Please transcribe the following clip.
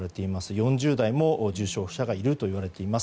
４０代も重症者がいるといわれています。